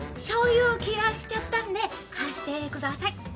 しょう油を切らしちゃったんで貸してください。